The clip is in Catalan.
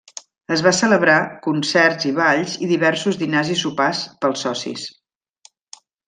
Es va celebrar concerts i balls i diversos dinars i sopars pels socis.